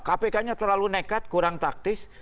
kpk nya terlalu nekat kurang taktis